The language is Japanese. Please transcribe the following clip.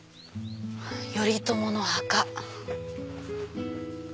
「頼朝の墓」。